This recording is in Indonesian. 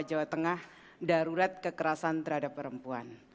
jawa tengah darurat kekerasan terhadap perempuan